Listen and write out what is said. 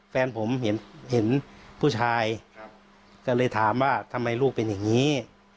แฟนผมเห็นผู้ชายก็เลยถามว่าทำไมลูกเป็นอย่างนี้